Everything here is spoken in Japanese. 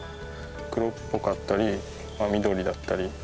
黒っぽかったり緑だったり黄色っぽく。